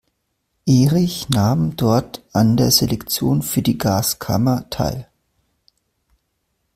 Ehrich nahm dort an der Selektion für die Gaskammer teil.